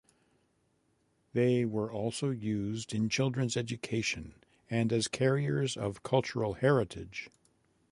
They were also used in children's education and as carriers of cultural heritage.